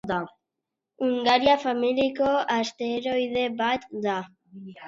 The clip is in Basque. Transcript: Hungaria familiako asteroide bat da.